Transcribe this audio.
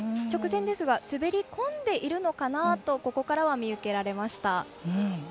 直前ですが滑り込んでいるのかなとここからは見受けられました。